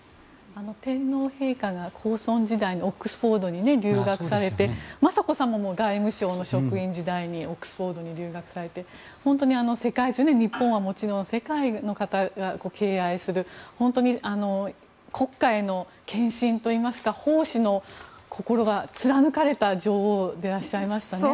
天皇陛下が皇孫時代にオックスフォードに留学された、雅子さまもオックスフォードに留学されて本当に世界中日本はもちろん世界の方が敬愛する国家への献身というか奉仕の心が貫かれた女王でいらっしゃいましたね。